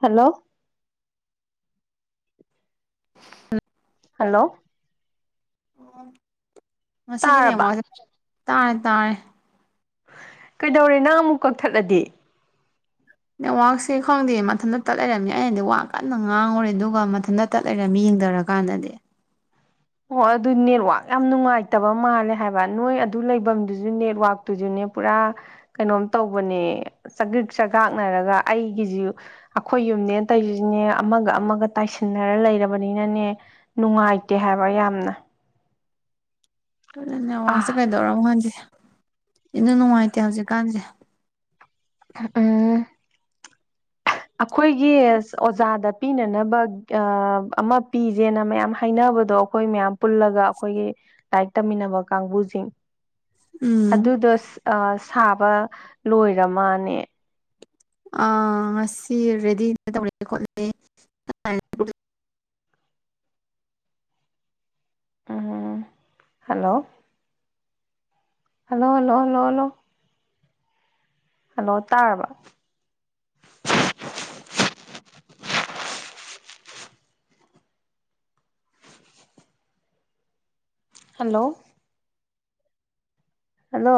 hello [inaudible] hello ꯑꯣ ꯃꯁꯤꯒꯤꯅꯦ ꯇꯥꯔꯕ ꯇꯥꯔꯦ ꯇꯥꯔꯦ ꯀꯩꯗꯧꯔꯤꯅꯣ ꯅꯪ ꯑꯃꯨꯛ ꯀꯛꯊꯠꯂꯗꯤ ꯅꯦꯠꯋꯥꯛꯁꯦ ꯈꯪꯗꯦ ꯃꯊꯟꯇꯇꯠ ꯂꯩꯔꯝꯅꯤ ꯑꯩꯅꯗꯤ ꯋꯥ ꯀꯟꯅ ꯉꯥꯡꯉꯨꯔꯦ ꯑꯗꯨꯒ ꯃꯊꯟꯇꯇ ꯂꯩꯔꯝꯃꯤ ꯌꯦꯡꯊꯔꯀꯥꯟꯗꯗꯤ ꯑꯣ ꯑꯗꯨ ꯅꯦꯠꯋꯥꯛ ꯌꯥꯝ ꯅꯨꯡꯉꯥꯏꯇꯕ ꯃꯥꯜꯂꯦ ꯍꯥꯏꯕ ꯅꯣꯏ ꯑꯗꯨ ꯂꯩꯐꯝꯗꯨꯁꯨ ꯅꯦꯠꯋꯥꯛꯇꯨꯁꯨꯅꯦ ꯄꯨꯔꯥ ꯀꯩꯅꯣꯝ ꯇꯧꯕꯅꯦ ꯆꯛ ꯆꯒꯥꯛꯅꯔꯒ ꯑꯩꯒꯤꯁꯨ ꯑꯩꯈꯣꯏ ꯌꯨꯝꯅꯦ ꯑꯇꯩꯁꯤꯅꯦ ꯑꯃꯒ ꯑꯃꯒ ꯇꯥꯏꯁꯤꯟꯅꯔ ꯂꯩꯔꯕꯅꯤꯅꯅꯦ ꯅꯨꯡꯉꯥꯏꯇꯦ ꯍꯥꯏꯕ ꯍꯥꯏꯕꯥ ꯌꯥꯝꯅ ꯅꯦ ꯋꯥꯁꯦ ꯑꯥ ꯀꯩꯗꯧꯔꯝꯃꯣ ꯈꯪꯁꯦ ꯅꯨꯡꯉꯥꯏꯇꯦ ꯍꯧꯖꯤꯛꯀꯥꯟꯁꯦ ꯎꯝ ꯑꯈꯣꯏꯒꯤ ꯑꯣꯖꯥꯗ ꯄꯤꯅꯅꯕ ꯑꯃ ꯄꯤꯖꯦꯅ ꯃꯌꯥꯝ ꯍꯥꯏꯅꯕꯗꯣ ꯑꯈꯣꯏ ꯃꯌꯥꯝ ꯄꯨꯜꯂꯒ ꯑꯈꯣꯏꯒꯤ ꯂꯥꯏꯔꯤꯛ ꯇꯝꯃꯤꯟꯅꯕ ꯀꯥꯡꯕꯨꯁꯤꯡ ꯎꯝ ꯑꯗꯨꯗ ꯑ ꯁꯥꯕ ꯂꯣꯏꯔ ꯃꯥꯅꯦ ꯑꯥ ꯉꯁꯤ ꯔꯦꯗꯤ [unintelligible] ꯎꯝ hello hello hello hello hello hello ꯇꯥꯔꯕ ꯍꯜꯂꯣ ꯍꯜꯂꯣ